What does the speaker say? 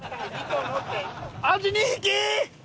アジ２匹！